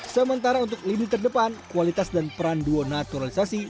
sementara untuk lini terdepan kualitas dan peran duo naturalisasi